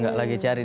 tidak lagi cari